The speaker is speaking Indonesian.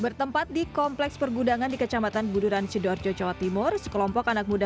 bertempat di kompleks pergudangan di kecamatan buduransidor jocawa timur sekelompok anak muda